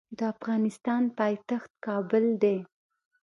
د افغانستان پایتخت کابل دی.